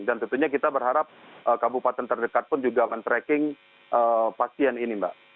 dan tentunya kita berharap kabupaten terdekat pun juga akan tracking pasien ini mbak